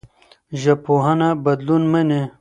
ژبپوهنه بدلون مني.